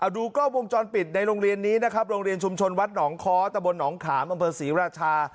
ดูกล้องวงจรปิดในโรงเรียนนี้นะครับโรงเรียนชุมชนวัดหนองค้อตะบนหนองขามอำเภอศรีราชา